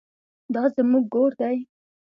دا زموږ ګور دی؟